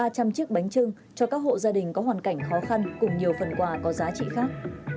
ba trăm linh chiếc bánh trưng cho các hộ gia đình có hoàn cảnh khó khăn cùng nhiều phần quà có giá trị khác